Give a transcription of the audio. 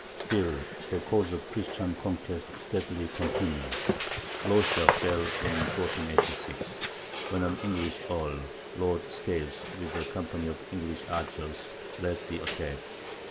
Still the course of Christian conquest steadily continued. Loxa fell in 1486, when an English Earl, Lord Scales, with a company of English archers, led the attack.